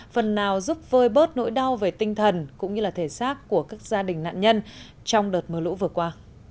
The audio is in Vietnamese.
phần nào giúp vơi bớt nỗi đau về tinh thần cũng như thể xác của các gia đình nạn nhân trong đợt mưa lũ vừa qua